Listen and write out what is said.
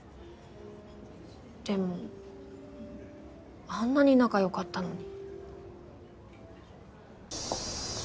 でもあんなに仲良かったのに。